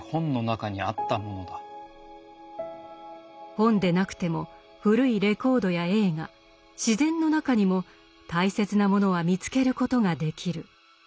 本でなくても古いレコードや映画自然の中にも大切なものは見つけることができる。